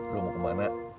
lo mau kemana